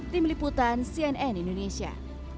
tim liputan cnn indonesia